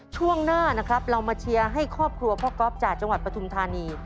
ช่วงหน้านะครับเรามาเชียร์ให้ครอบครัวพ่อก๊อฟจากจังหวัดปฐุมธานี